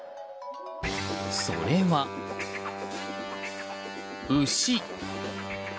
それは、牛。